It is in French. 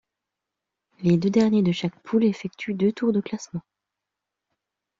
Les deux derniers de chaque poule effectuent deux tours de classement.